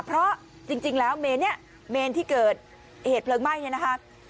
เพราะจริงแล้วเมนเนี่ยเมนที่เกิดเหตุเพลิงไหม้เนี่ยนะคะ